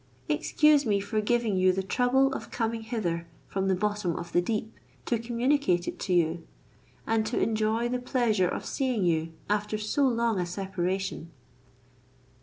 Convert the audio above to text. Excuse me for giving you the trouble of coming hither from the bottom of the deep, to communicate it to you; and to enjoy the pleasure of seeing you after so long a separation."